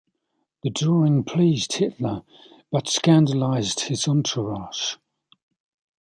The drawing pleased Hitler but scandalised his entourage.